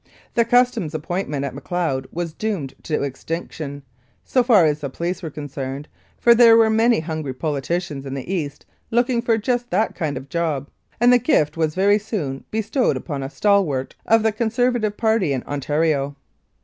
The Customs appoint ment at Macleod was doomed to extinction, so far as the police were concerned, for there were many hungry politicians in the East looking for just that kind of job, and the gift was very soon bestowed upon a "stalwart " of the Conservative party in Ontario.